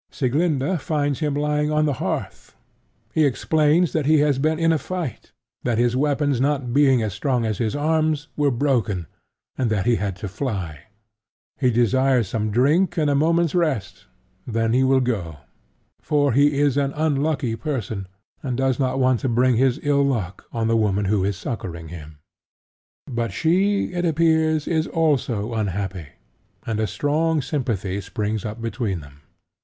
Sieglinda finds him lying on the hearth. He explains that he has been in a fight; that his weapons not being as strong as his arms, were broken; and that he had to fly. He desires some drink and a moment's rest; then he will go; for he is an unlucky person, and does not want to bring his ill luck on the woman who is succoring him. But she, it appears, is also unhappy; and a strong sympathy springs up between them.